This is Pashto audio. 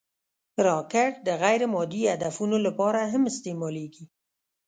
راکټ د غیر مادي هدفونو لپاره هم استعمالېږي